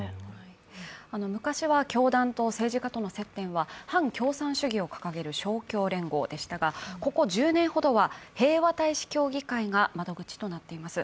昔は教団と政治家との接点は反共産主義を掲げる勝共連合でしたが、平和大使協議会が窓口となっています。